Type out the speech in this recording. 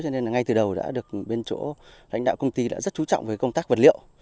cho nên ngay từ đầu đã được bên chỗ lãnh đạo công ty đã rất chú trọng về công tác vật liệu